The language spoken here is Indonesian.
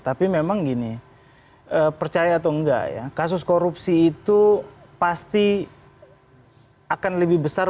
tapi memang gini percaya atau enggak ya kasus korupsi itu pasti akan lebih besar